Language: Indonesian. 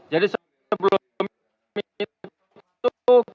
jadi sebelum itu